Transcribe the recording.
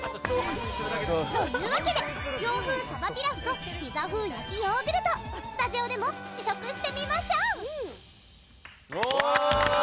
というわけで洋風鯖ピラフとピザ風焼きヨーグルトスタジオでも試食してみましょう！